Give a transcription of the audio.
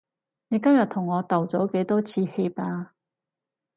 你今日同我道咗幾多次歉啊？